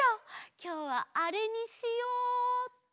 きょうはあれにしようっと。